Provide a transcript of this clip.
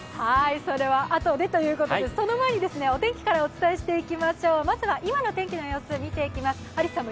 それはあとでということで、その前にお天気からお伝えしていきましょう。